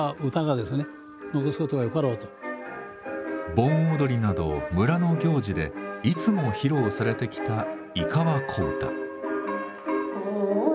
盆踊りなど村の行事でいつも披露されてきた「井川小唄」。